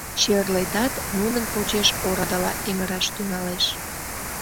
Черлетат нунын почеш орадыла эҥыраш тӱҥалеш.